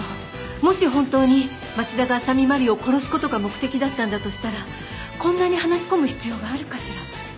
もし本当に町田が浅見麻里を殺す事が目的だったんだとしたらこんなに話し込む必要があるかしら？